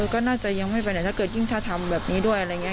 ก็น่าจะยังไม่ไปไหนถ้าเกิดยิ่งถ้าทำแบบนี้ด้วยอะไรอย่างนี้